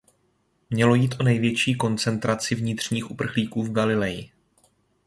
Mělo jít o největší koncentraci vnitřních uprchlíků v Galileji.